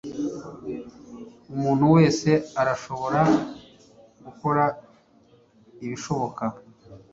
Umuntu wese arashobora gukora ibishoboka